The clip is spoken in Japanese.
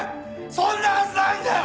そんなはずないんだよ！